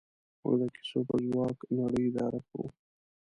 موږ د کیسو په ځواک نړۍ اداره کوو.